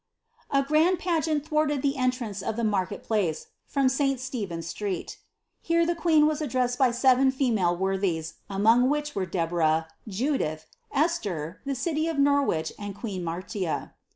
"A grand pageant thwarted the entrance of the market place from Si Stephen's street." Here the queen was addressed bv seven female worthies, among which were Debora, Judith, Esther, the city of Nor wich, and queen Mania.'